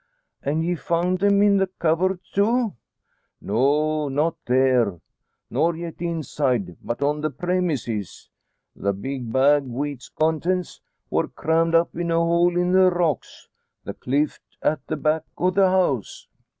"And ye found them in the cubbert too?" "No, not there, nor yet inside; but on the premises. The big bag, wi' its contents, wor crammed up into a hole in the rocks the clift at the back o' the house."